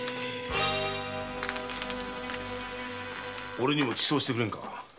おれにも馳走してくれんか。